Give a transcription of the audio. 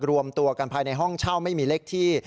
รวมตัวกันภายในห้องเช่าไม่มีเลขที่